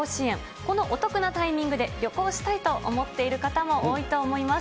このお得なタイミングで、旅行したいと思っている方も多いと思います。